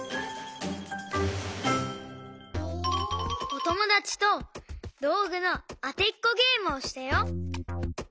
おともだちとどうぐのあてっこゲームをしたよ。